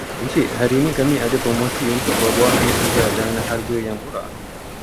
Encik, hari ini kami ada promosi untuk buah-buahan segar dengan harga yang murah.